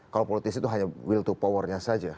kalau politis itu hanya will to power nya saja